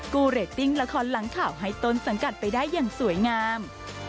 เรตติ้งละครหลังข่าวให้ต้นสังกัดไปได้อย่างสวยงาม